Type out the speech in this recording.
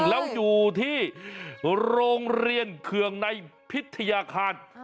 แล้วอยู่ที่โรงเรียนเคืองในพิทยาคาร